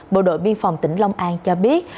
bộ đội biên phòng tỉnh long an cho biết